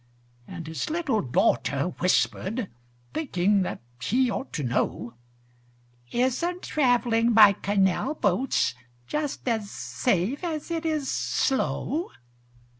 And his little daughter whispered, Thinking that he ought to know, "Isn't travelling by canal boats Just as safe as it is slow?"